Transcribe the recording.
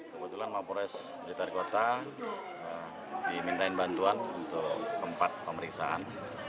kebetulan mapores blitar kota dimintain bantuan untuk tempat pemeriksaan